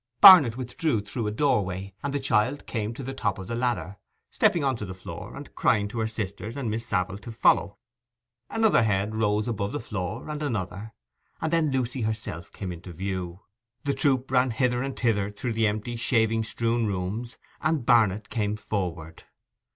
Barnet withdrew through a doorway, and the child came to the top of the ladder, stepping on to the floor and crying to her sisters and Miss Savile to follow. Another head rose above the floor, and another, and then Lucy herself came into view. The troop ran hither and thither through the empty, shaving strewn rooms, and Barnet came forward.